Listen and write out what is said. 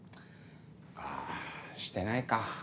あぁしてないか。